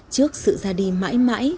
trước sự ra đi mãi mãi